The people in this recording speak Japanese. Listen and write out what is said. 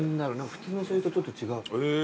普通のしょうゆとちょっと違う。